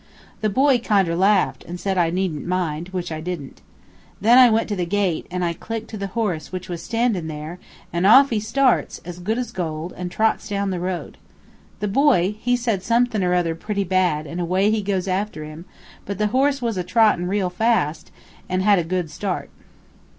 The boy kinder laughed, and said I needn't mind, which I didn't. Then I went to the gate, and I clicked to the horse which was standin' there, an' off he starts, as good as gold, an' trots down the road. The boy, he said somethin' or other pretty bad, an' away he goes after him; but the horse was a trottin' real fast, an' had a good start."